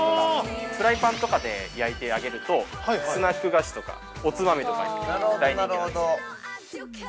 フライパンとかで焼いてあげるとスナック菓子とか、おつまみとかに大人気なんですよ。